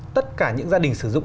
tất cả những gia đình sử dụng